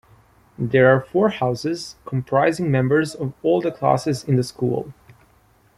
There are four houses, comprising members of all the classes in the school.